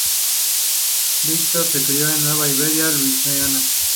Viator se crio en New Iberia, Louisiana.